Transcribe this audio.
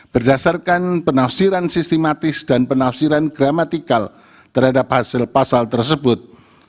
berdasarkan penafsiran sistematis dan penafsiran gramatikal terhadap hasil pasal tersebut